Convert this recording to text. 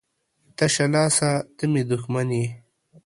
تشه لاسه ته مې دښمن یې